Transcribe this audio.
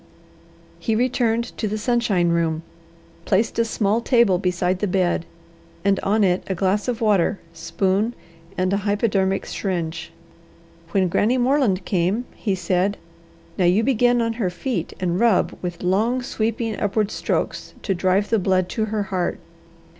He returned to the sunshine room, placed a small table beside the bed, and on it a glass of water, spoon, and a hypodermic syringe. When Granny Moreland came he said: "Now you begin on her feet and rub with long, sweeping, upward strokes to drive the blood to her heart."